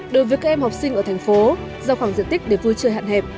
đối với các em học sinh ở thành phố giao khoảng diện tích để vui chơi hạn hẹp